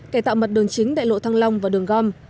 cải tạo mặt đường chính đại lộ thăng long và đường gom